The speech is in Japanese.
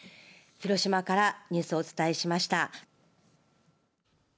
広島からニュースをお伝えしました。